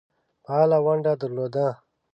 فعاله ونډه درلوده.